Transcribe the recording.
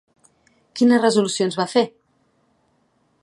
Quines resolucions va fer?